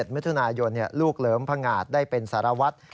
มิถุนายนลูกเหลิมพงาดได้เป็นสารวัตร